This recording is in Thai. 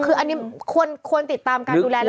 คืออันนี้ควรติดตามการดูแลแล้ว